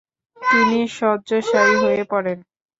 তিনি সয্যশায়ী হয়ে পরেন।